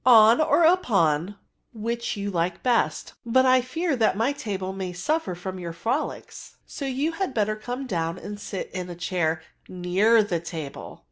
On, or i^on, which you like best; but I fear that my table may suffer from your firolics; so you had better come down and sit in a chair near the table."